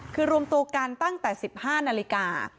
คือรวมตัวกันตั้งแต่๑๕นาฬิกา